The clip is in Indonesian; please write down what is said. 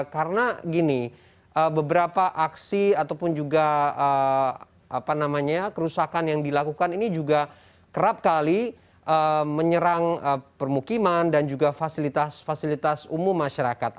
karena gini beberapa aksi ataupun juga kerusakan yang dilakukan ini juga kerap kali menyerang permukiman dan juga fasilitas fasilitas umum masyarakat